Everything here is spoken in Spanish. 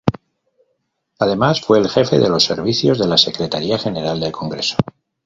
Además fue el Jefe de los servicios de la Secretaría General del congreso.